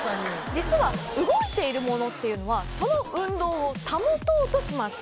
実は動いているものっていうのはその運動を保とうとします。